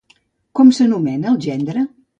Com s'anomena el gendre?